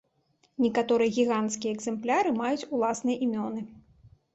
Некаторыя гіганцкія экзэмпляры маюць уласныя імёны.